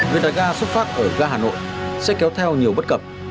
việc đặt ga xuất phát ở ga hà nội sẽ kéo theo nhiều bất cập